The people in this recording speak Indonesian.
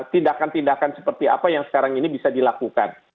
tindakan tindakan seperti apa yang sekarang ini bisa dilakukan